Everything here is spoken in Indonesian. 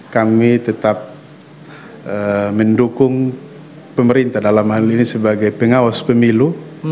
kami tetap mendukung pemerintah dalam hal ini sebagai pengawas pemilu